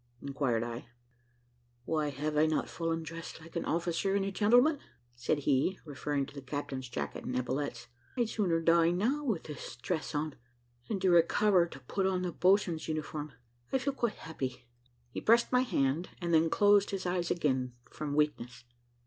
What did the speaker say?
inquired I. "Why, have I not fallen dressed like an officer and a gentleman?" said he, referring to the captain's jacket and epaulets. "I'd sooner die now, with this dress on, than to recover to put on the boatswain's uniform. I feel quite happy." He pressed my hand, and then closed his eyes again, from weakness.